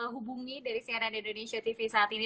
hubungi dari cnn indonesia tv saat ini